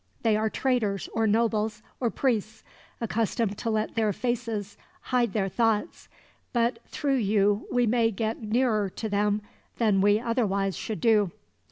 They are traders, or nobles, or priests, accustomed to let their faces hide their thoughts, but through you we may get nearer to them than we otherwise should do.